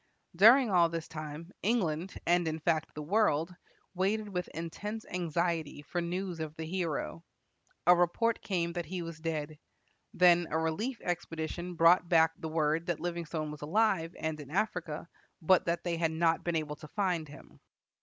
During all this time England and, in fact, the world waited with intense anxiety for news of the hero. A report came that he was dead. Then a relief expedition brought back the word that Livingstone was alive, and in Africa, but that they had not been able to find him.